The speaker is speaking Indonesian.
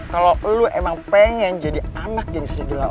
kalau lo emang pengen jadi anak geng serigala